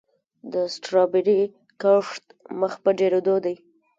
د سټرابیري کښت مخ په ډیریدو دی.